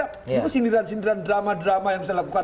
itu sindiran sindiran drama drama yang bisa dilakukan